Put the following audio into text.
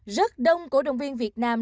rất đông cổ động viên việt nam